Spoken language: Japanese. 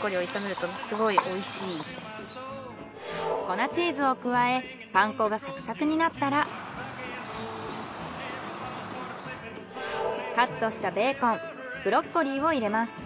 粉チーズを加えパン粉がサクサクになったらカットしたベーコンブロッコリーを入れます。